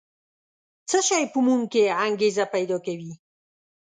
څه شی په موږ کې انګېزه پیدا کوي؟